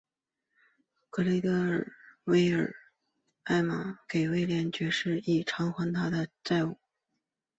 格雷维尔把艾玛给威廉爵士以偿还他的债务。